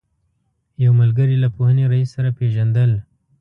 یو ملګري له پوهنې رئیس سره پېژندل.